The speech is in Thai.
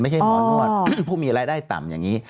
ไม่ใช่หมอนวดผู้มีรายได้ต่ำอย่างนี้